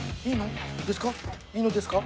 いいのですか？